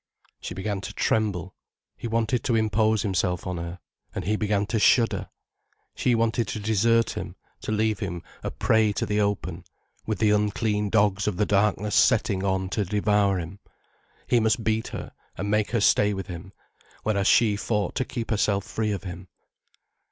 She began to tremble. He wanted to impose himself on her. And he began to shudder. She wanted to desert him, to leave him a prey to the open, with the unclean dogs of the darkness setting on to devour him. He must beat her, and make her stay with him. Whereas she fought to keep herself free of him.